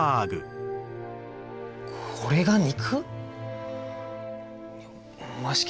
これが肉？